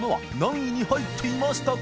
唇未入っていましたか？